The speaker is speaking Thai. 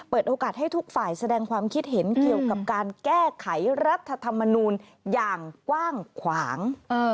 โอกาสให้ทุกฝ่ายแสดงความคิดเห็นเกี่ยวกับการแก้ไขรัฐธรรมนูลอย่างกว้างขวาง